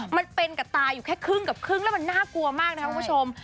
มันเป็นกับตาอยู่แค่ครึ่งกับครึ่งแล้วมันน่ากลัวมากนะครับคุณผู้ชม